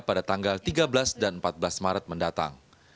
pada tanggal tiga belas dan empat belas maret mendatang